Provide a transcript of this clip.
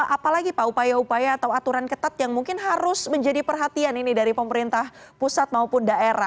apalagi pak upaya upaya atau aturan ketat yang mungkin harus menjadi perhatian ini dari pemerintah pusat maupun daerah